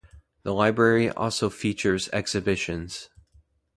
The Library also features exhibitions.